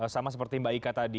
sama seperti mbak ika tadi